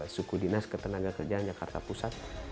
suku dinas ketenagakerjaan jakarta pusat